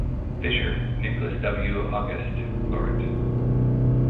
Fisher, Nicholas W. Auguste Laurent.